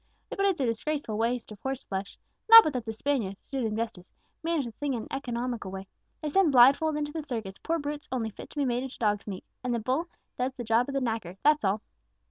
But it's a disgraceful waste of horse flesh. Not but that the Spaniards, to do them justice, manage the thing in an economical way. They send blindfold into the circus poor brutes only fit to be made into dogs' meat, and the bull does the job of the knacker, that's all!"